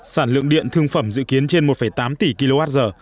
sản lượng điện thương phẩm dự kiến trên một tám tỷ kwh